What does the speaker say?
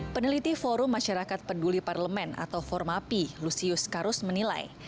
peneliti forum masyarakat peduli parlemen atau formapi lusius karus menilai